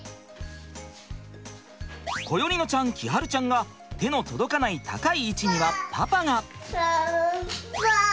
心縁乃ちゃん輝会ちゃんが手の届かない高い位置にはパパが。